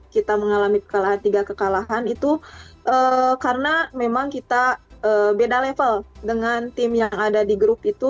kita mengalami kekalahan tiga kekalahan itu karena memang kita beda level dengan tim yang ada di grup itu